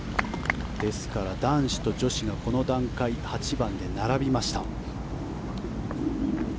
ですから、男子と女子がこの段階、８番で並びました。